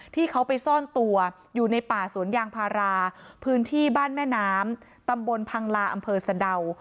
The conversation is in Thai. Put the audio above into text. ที่เขาไปซ่อนตัวอยู่ในป่าสวนยางพาราพื้นที่บ้านแม่น้ำตำบลพังลาอำเภอสะดาว